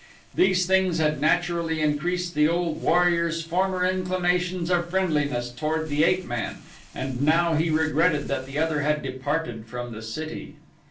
These things had naturally increased the old warrior's former inclinations of friendliness toward the ape man, and now he regretted that the other had departed from the city.